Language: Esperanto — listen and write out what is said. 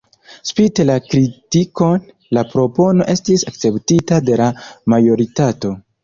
Spite la kritikon, la propono estis akceptita de la majoritato.